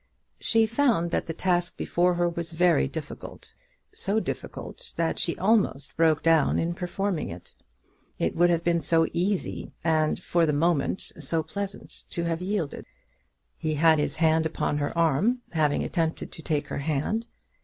She found that the task before her was very difficult, so difficult that she almost broke down in performing it. It would have been so easy and, for the moment, so pleasant to have yielded. He had his hand upon her arm, having attempted to take her hand.